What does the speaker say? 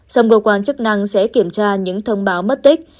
sông cơ quan chức năng sẽ kiểm tra những thông báo mất tích